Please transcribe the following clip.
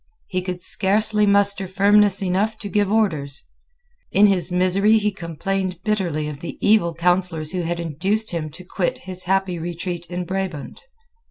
He could scarcely muster firmness enough to give orders. In his misery he complained bitterly of the evil counsellors who had induced him to quit his happy retreat in Brabant.